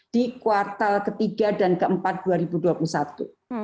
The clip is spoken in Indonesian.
di kuartal ketiga dan keempat dua ribu dua puluh satu